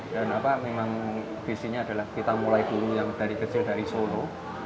dan memang visinya adalah kita mulai dulu yang dari kecil dari solo